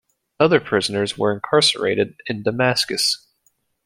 Other prisoners were incarcerated in Damascus.